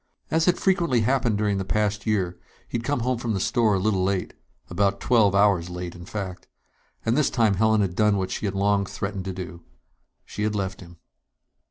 As had frequently happened during the past year, he'd come home from the store a little late ... about twelve hours late, in fact. And this time Helen had done what she had long threatened to do. She had left him.